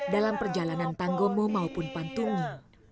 dalam perjalanan tanggomo maupun pantungi